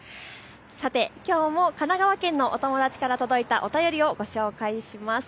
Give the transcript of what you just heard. きょうも神奈川県のお友達からお便りをご紹介します。